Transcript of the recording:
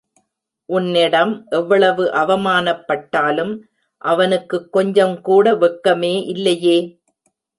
உன்னிடம் எவ்வளவு அவமானப்பட்டாலும் அவனுக்குக் கொஞ்சங் கூட வெட்கமே இல்லையே!......